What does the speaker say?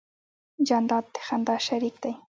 جانداد د خندا شریک دی.